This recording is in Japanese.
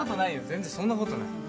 全然そんなことない。